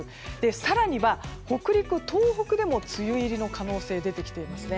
更には北陸、東北でも梅雨入りの可能性が出てきています。